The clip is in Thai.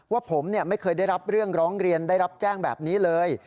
ว่าผมไม่เคยได้รับเรื่องร้องเรียนได้รับแจ้งแบบนี้เลย